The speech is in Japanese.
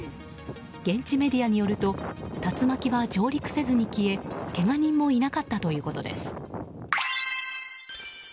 現地メディアによると竜巻は上陸せずに消えけが人もいなかったということです。